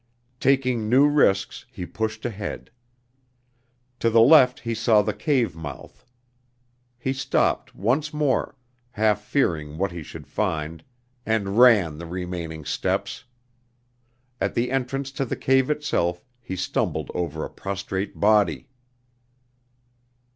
Taking new risks, he pushed ahead. To the left he saw the cave mouth. He stopped once more, half fearing what he should find, and ran the remaining steps. At the entrance to the cave itself he stumbled over a prostrate body.